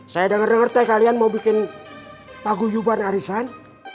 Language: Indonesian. saya denger denger teh kalian mau bikin paguyuban arisan